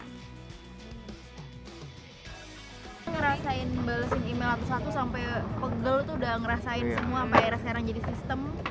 ngerasain balesin email satu satu sampai pegel tuh udah ngerasain semua era serah jadi sistem